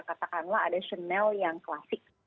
katakanlah ada channel yang klasik